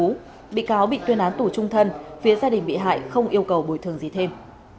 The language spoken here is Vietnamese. trong bị cáo bị tuyên án tù trung thân phía gia đình bị hại không yêu cầu bồi thường gì thêm